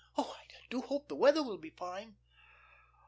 Oh, I do hope the weather will be fine."